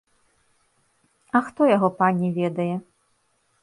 А хто яго, пане, ведае.